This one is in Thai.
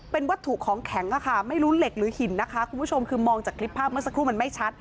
เป็นวัตถุของแข็งไม่รู้เหล็กหรือหินนะคะคุณผู้ชมคือมองจากคลิปภาพเมื่อสักครู่มันไม่ชัด